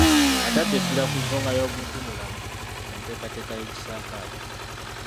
Atadde essira ku nsonga y’obuntubulamu mu nteekateeka y’ekisaakaate.